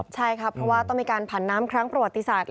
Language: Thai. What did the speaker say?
ใช่เพราะต้องมีการผันประวัติศาสตร์คลั้งประวัติศาสตร์เลย